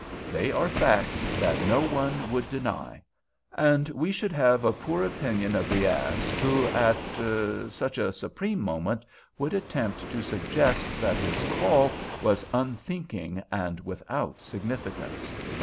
They are facts that no one would deny—and we should have a poor opinion of the ass who, at—er—such a supreme moment, would attempt to suggest that his call was unthinking and without significance.